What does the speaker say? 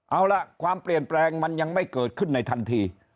เอาล่ะความเปลี่ยนแปลงมันยังไม่เกิดขึ้นในทันที